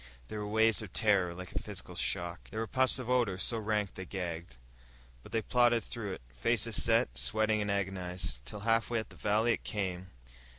There were waves of terror like a physical shock. There were puffs of ordure, so rank they gagged. But they plodded through it, faces set, sweating and agonized. Till, halfway up the valley it came....